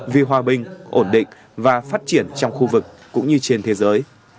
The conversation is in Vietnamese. vì hòa bình ổn định và phát triển trong khu vực cũng như trên thế giới